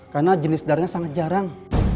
karena jenis darahnya sangat jarang